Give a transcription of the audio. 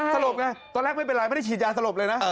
สลบไงตอนแรกไม่เป็นไรไม่ได้ฉีดยาสลบเลยนะ